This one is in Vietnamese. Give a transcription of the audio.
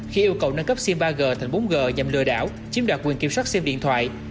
khi yêu cầu nâng cấp sim ba g thành bốn g nhằm lừa đảo chiếm đoạt quyền kiểm soát xem điện thoại